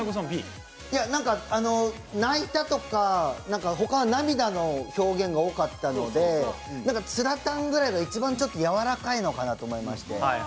ないたーとか他は涙の表現が多かったのでつらたんぐらいが、いちばんやわらかいのかなと思いまして。